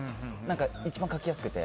一番、書きやすくて。